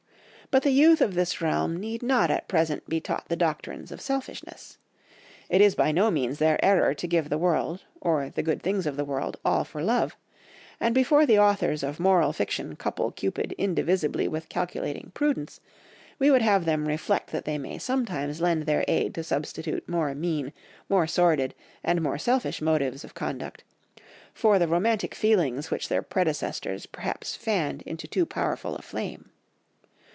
But the youth of this realm need not at present be taught the doctrines of selfishness. It is by no means their error to give the world, or the good things of the world, all for love; and before the authors of moral fiction couple Cupid indivisibly with calculating prudence, we would have them reflect that they may sometimes lend their aid to substitute more mean, more sordid, and more selfish motives of conduct, for the romantic feelings which their predecessors perhaps fanned into too powerful a flame.